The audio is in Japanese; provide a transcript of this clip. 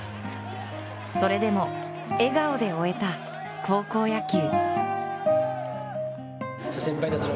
それでも笑顔で終えた高校野球。